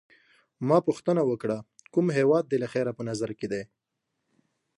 ما پوښتنه وکړه: کوم هیواد دي له خیره په نظر کي دی؟